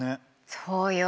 そうよ。